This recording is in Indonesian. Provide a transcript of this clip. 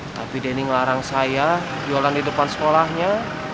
tapi denny ngelarang saya jualan di depan sekolahnya